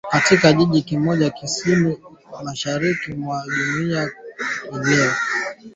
Katika kijiji kimoja kaskazini-mashariki mwa Jamuhuri ya Kidemokrasia ya Kongo siku ya Jumapili